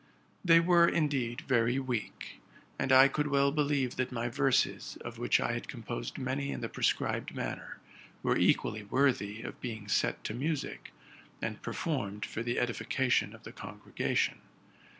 They were, indeed, very weak; and I could well believe that my verses, of which I had composed many in the prescribed manner, were equally worthy of being set to music, and performed for the edification of the congre gation.